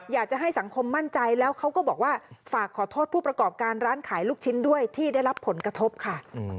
อยากจะให้สังคมมั่นใจแล้วเขาก็บอกว่าฝากขอโทษผู้ประกอบการร้านขายลูกชิ้นด้วยที่ได้รับผลกระทบค่ะ